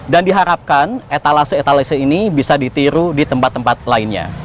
dan diharapkan etalase etalase ini bisa ditiru di tempat tempat lainnya